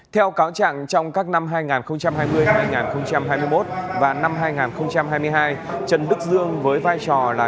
theo cáo trạng trong các năm hai nghìn hai mươi hai nghìn hai mươi một và năm hai nghìn hai mươi hai trần đức dương với vai trò là